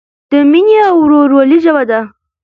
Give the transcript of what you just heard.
د مینې او ورورولۍ ژبه ده.